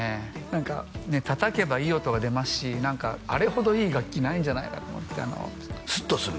何かね叩けばいい音が出ますし何かあれほどいい楽器ないんじゃないかと思ってスッとする？